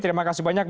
terima kasih banyak